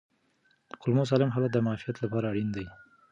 د کولمو سالم حالت د معافیت لپاره اړین دی.